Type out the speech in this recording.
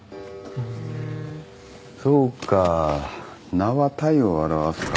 そうか名は体を表すか。